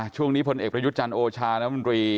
ช่วงนี้ผลเอกประยุทธ์จันทร์โอชาน้ำมันดรี